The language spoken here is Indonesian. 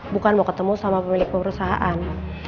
bukan mau ketemu sama pemilik perusahaan